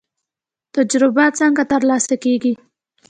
تجربه څنګه ترلاسه کیږي؟